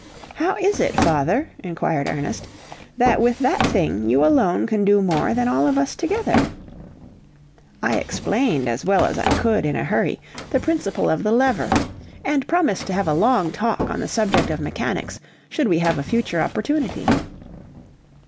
"How is it, father," inquired Ernest, "that with that thing you alone can do more than all of us together?" I explained, as well as I could in a hurry, the principle of the lever; and promised to have a long talk on the subject of Mechanics, should we have a future opportunity.